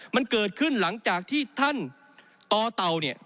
มันเกิดขึ้นหลังจากที่ท่านต่อเต่าเนี่ย